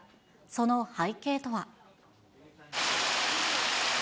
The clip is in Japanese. その背景とは。